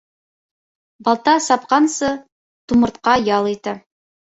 Балта сапҡансы, тумыртҡа ял итә.